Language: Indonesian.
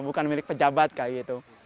bukan milik pejabat kayak gitu